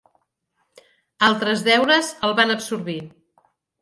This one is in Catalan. Altres deures el van absorbir.